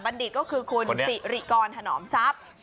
บรรดิษฐ์ก็คือคุณสิหริกรถนอ่อมซับ